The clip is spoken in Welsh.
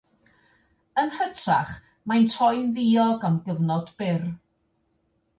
Yn hytrach, mae'n troi'n ddiog am gyfnod byr.